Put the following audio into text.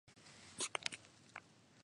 この香水はへんに酢くさい、どうしたんだろう